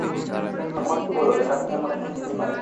এমনকিছু বলো যেটা শুনে মনে স্বস্তি পাই।